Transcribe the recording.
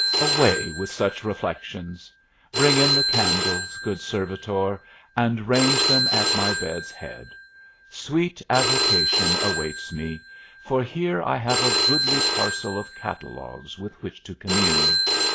Away with such reflections! Bring in the candles, good servitor, and range them at my bed's head; sweet avocation awaits me, for here I have a goodly parcel of catalogues with which to commune.